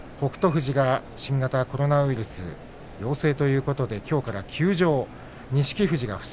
富士が新型コロナウイルス陽性ということできょうから休場。